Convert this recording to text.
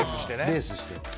レースして。